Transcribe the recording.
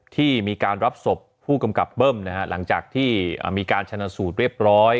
ที่มีการรับศพผู้กำกับเบิ้มนะฮะหลังจากที่มีการชนะสูตรเรียบร้อย